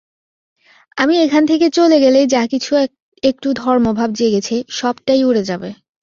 আমি এখান থেকে চলে গেলেই যা কিছু একটু ধর্মভাব জেগেছে, সবটাই উড়ে যাবে।